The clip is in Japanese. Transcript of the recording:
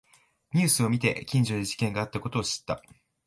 ニュースを見て近所で事件があったことを知った